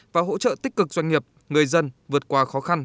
và hỗ trợ tích cực doanh nghiệp người dân vượt qua khó khăn